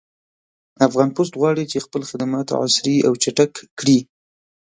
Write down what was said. افغان پُست غواړي چې خپل خدمات عصري او چټک کړي